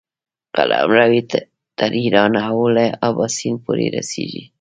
قلمرو یې تر ایرانه او له اباسین پورې رسېږي.